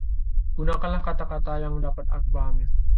Gunakanlah kata-kata yang dapat aku pahami.